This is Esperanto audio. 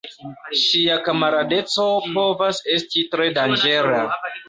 Ŝia kamaradeco povas esti tre danĝera.